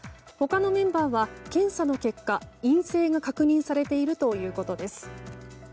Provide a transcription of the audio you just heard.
他のメンバーは検査の結果陰性が確認されているということです。